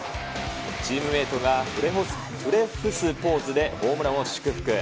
チームメートがひれ伏すポーズでホームランを祝福。